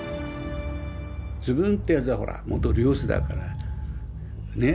自分ってやつはほら元漁師だから。ね？